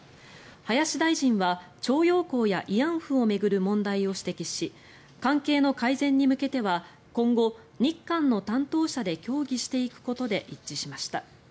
林大臣は徴用工や慰安婦を巡る問題を指摘し関係の改善に向けては今後、日韓の担当者で協議していくことで一致しました。